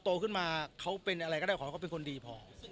โตขึ้นมาเขาเป็นอะไรก็ได้ขอให้เขาเป็นคนดีพอ